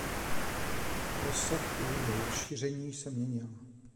Rozsah jejího rozšíření se měnil.